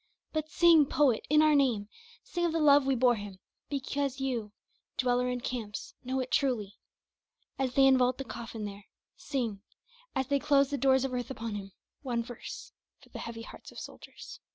But sing poet in our name, Sing of the love we bore him because you, dweller in camps, know it truly. As they invault the coffin there, Sing as they close the doors of earth upon him one verse, For the heavy hearts of soldiers.